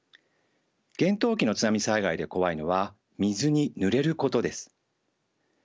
厳冬期の津波災害で怖いのは水にぬれることです。